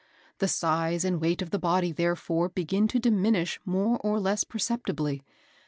The size and weight of the body, therefore, begin to diminish more or less perceptibly.